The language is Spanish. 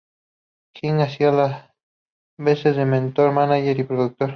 King hacía las veces de mentor, manager y productor.